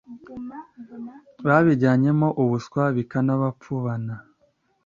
babijyanyemo ubuswa, bikabapfubana